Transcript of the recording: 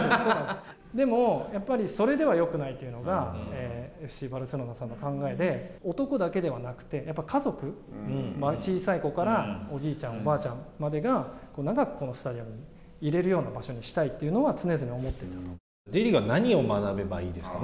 でも、やっぱりそれではよくないというのが、ＦＣバルセロナさんの考えで、男だけではなくてやっぱり家族、小さい子からおじいちゃん、おばあちゃんまでが長くスタジアムにいれるような場所にしたいというのは、Ｊリーグは何を学べばいいですか。